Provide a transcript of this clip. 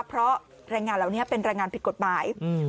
เพราะแรงงานเหล่านี้เป็นแรงงานผิดกฎหมาย